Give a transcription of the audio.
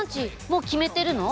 もう決めてるの？